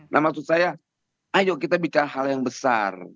nah maksud saya ayo kita bicara hal yang besar